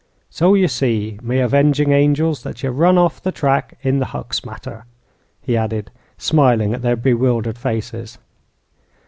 "So ye see, my avenging angels, that ye run off the track in the Hucks matter," he added, smiling at their bewildered faces.